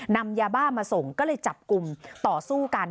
นำยาบ้ามาส่งก็เลยจับกลุ่มต่อสู้กัน